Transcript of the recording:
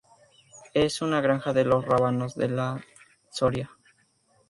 Es una granja de los Rábanos, de la de Soria.